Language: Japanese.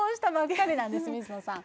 水野さん